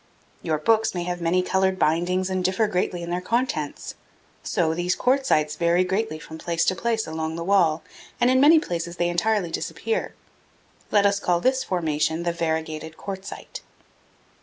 Your books may have many colored bindings and differ greatly in their contents; so these quartzites vary greatly from place to place along the wall, and in many places they entirely disappear. Let us call this formation the variegated quartzite.